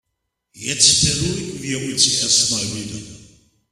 Jetzt beruhigen wir uns erst mal wieder.